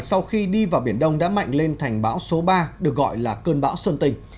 sau khi đi vào biển đông đã mạnh lên thành bão số ba được gọi là cơn bão xuân tình